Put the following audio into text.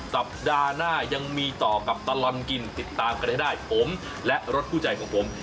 สัปดาห์หน้ายังมีต่อกับตลอดกินติดตามกันให้ได้ผมและรถคู่ใจของผม